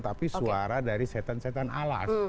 tapi suara dari setan setan alas